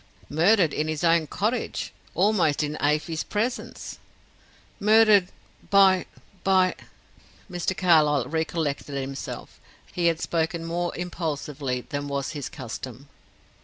"Murdered in his own cottage almost in Afy's presence murdered by by " Mr. Carlyle recollected himself; he had spoken more impulsively than was his custom.